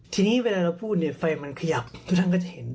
ทีนี้เวลาเราพูดเนี่ยไฟมันขยับทุกท่านก็จะเห็น